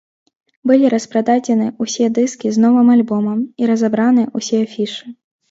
Былі распрададзены ўсе дыскі з новым альбомам і разабраны ўсе афішы.